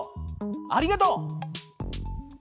ありがとう。